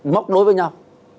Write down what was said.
móc đối với nhau